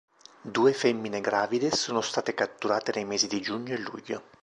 Due femmine gravide sono state catturate nei mesi di giugno e luglio.